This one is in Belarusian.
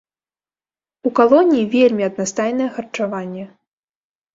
У калоніі вельмі аднастайнае харчаванне.